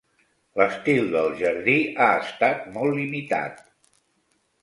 L'estil del jardí ha estat molt imitat.